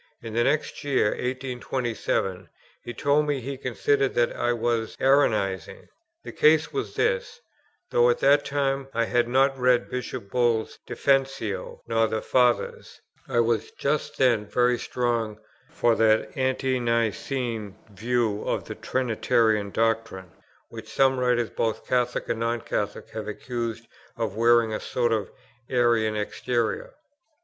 In the next year, 1827, he told me he considered that I was Arianizing. The case was this: though at that time I had not read Bishop Bull's Defensio nor the Fathers, I was just then very strong for that ante Nicene view of the Trinitarian doctrine, which some writers, both Catholic and non Catholic, have accused of wearing a sort of Arian exterior.